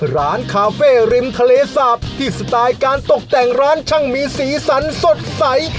ร้านคาเฟ่ริมทะเลสาบที่สไตล์การตกแต่งร้านช่างมีสีสันสดใส